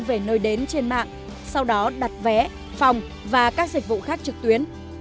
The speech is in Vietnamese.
về nơi đến trên mạng sau đó đặt vé phòng và các dịch vụ khác trực tuyến